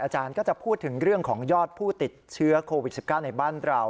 อาจารย์ก็จะพูดถึงเรื่องของยอดผู้ติดเชื้อโควิด๑๙ในบ้านเรา